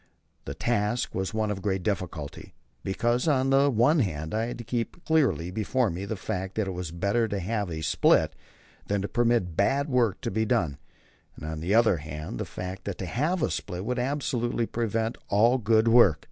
The task was one of great difficulty, because, on the one hand, I had to keep clearly before me the fact that it was better to have a split than to permit bad work to be done, and, on the other hand, the fact that to have that split would absolutely prevent all good work.